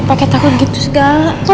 pakai takut gitu segala